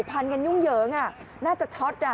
พันกันยุ่งเยอะง่ะน่าจะช็อตนะ